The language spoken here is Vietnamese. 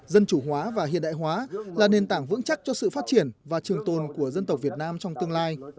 dân chủ hóa và hiện đại hóa là nền tảng vững chắc cho sự phát triển và trường tồn của dân tộc việt nam trong tương lai